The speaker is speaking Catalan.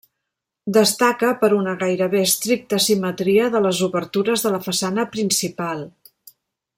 Destaca per una gairebé estricta simetria de les obertures de la façana principal.